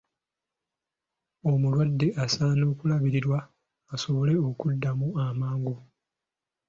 Omulwadde asaana kulabirirwa asobole okuddamu amangu.